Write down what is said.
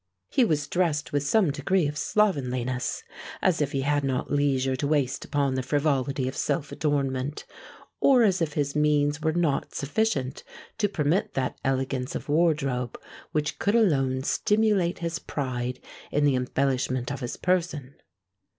He was dressed with some degree of slovenliness; as if he had not leisure to waste upon the frivolity of self adornment, or as if his means were not sufficient to permit that elegance of wardrobe which could alone stimulate his pride in the embellishment of his person.